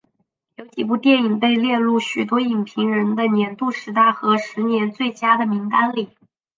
有几部电影被列入许多影评人的年度十大和十年最佳的名单里。